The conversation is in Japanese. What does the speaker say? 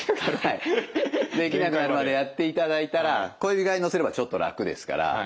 できなくなるまでやっていただいたら小指側に乗せればちょっと楽ですから。